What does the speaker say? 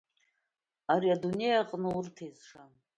Ари адунеи аҟны урҭ еизшан.